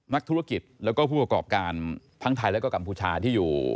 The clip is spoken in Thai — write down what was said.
นักธุรกิจแล้วก็ผู้บังคับการทั้งไทยและกับผู้ชายที่อยู่